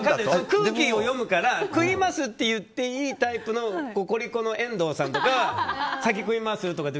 空気を読むから食いますって言っていいタイプのココリコの遠藤さんとか先食いますって。